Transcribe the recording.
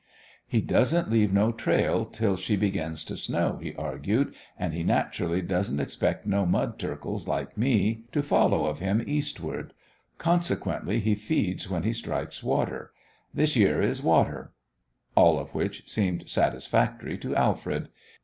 "He doesn't leave no trail till she begins to snow," he argued, "an' he nat'rally doesn't expect no mud turkles like me a followin' of him eastward. Consequently he feeds when he strikes water. This yere is water." All of which seemed satisfactory to Alfred.